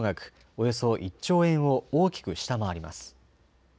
およそ１兆円を大きく下回ります。